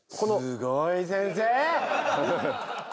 すごい先生！